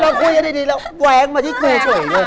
เราคุยกันดีแล้วแกว้งมาที่ครูเฉยเลย